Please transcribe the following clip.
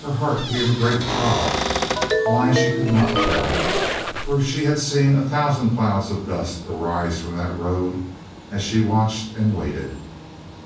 Her heart gave a great throb; why she could not tell, for she had seen a thousand clouds of dust arise from that road, as she watched and waited.